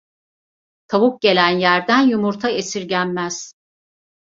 Tavuk gelen yerden yumurta esirgenmez.